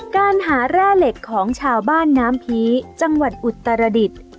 การหาแร่เหล็กของชาวบ้านน้ำผีจังหวัดอุตรดิษฐ์